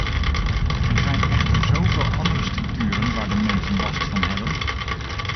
Er zijn echter zoveel andere structuren waar de mensen last van hebben.